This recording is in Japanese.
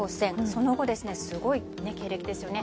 その後、すごい経歴ですよね。